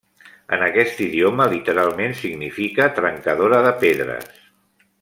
En aquest idioma literalment significa 'trencadora de pedres'.